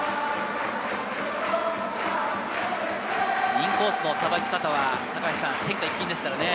インコースのさばき方は天下一品ですからね。